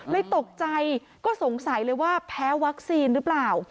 ตกใจก็สงสัยเลยว่าแพ้วัคซีนหรือเปล่า